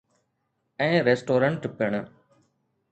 ۽ Restaurant پڻ.